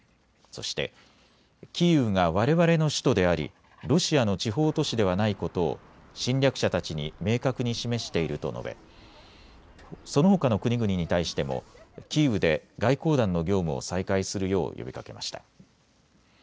そして、キーウがわれわれの首都でありロシアの地方都市ではないことを侵略者たちに明確に示していると述べ、そのほかの国々に対してもキーウで外交団の業務を再開するよう呼びかけました。